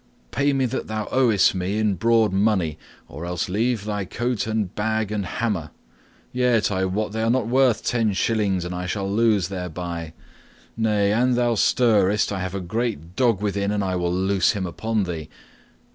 Pay me that thou owest me in broad money, or else leave thy coat and bag and hammer; yet, I wot they are not worth ten shillings, and I shall lose thereby. Nay, an thou stirrest, I have a great dog within and I will loose him upon thee.